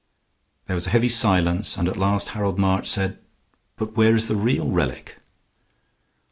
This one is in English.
There was a heavy silence, and at last Harold March said, "But where is the real relic?"